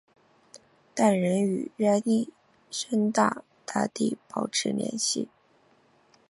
但仍与亚历山大大帝保持联系。